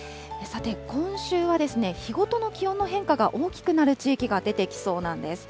さて、今週は日ごとの気温の変化が大きくなる地域が出てきそうなんです。